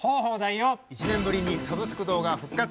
１年ぶりにサブスク堂が復活